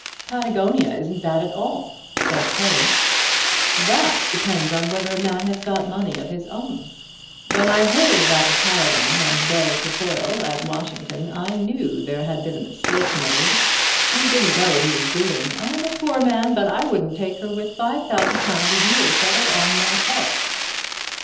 "Patagonia isn't bad at all," said Currie. "That depends on whether a man has got money of his own. When I heard about the Paragon and Bell Trefoil at Washington, I knew there had been a mistake made. He didn't know what he was doing. I'm a poor man, but I wouldn't take her with £5,000 a year, settled on myself."